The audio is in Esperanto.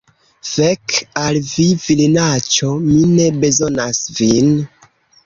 Fek al vi, virinaĉo! Mi ne bezonas vin.